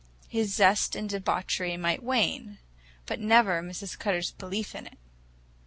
His zest in debauchery might wane, but never Mrs. Cutter's belief in it.